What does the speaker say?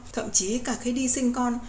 thậm chí cả khi đi sinh con